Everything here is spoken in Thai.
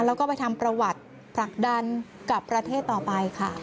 แล้วก็ไปทำประวัติผลักดันกับประเทศต่อไปค่ะ